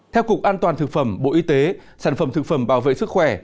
theo cục an toàn thực phẩm bộ y tế sản phẩm thực phẩm bảo vệ sức khỏe